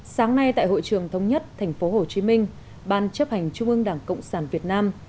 sáng nay tại hội trường thống nhất tp hcm ban chấp hành trung ương đảng cộng sản việt nam